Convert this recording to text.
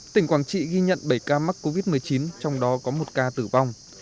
tỉnh quảng trị ghi nhận bảy ca mắc covid một mươi chín trong đó có một ca tử vong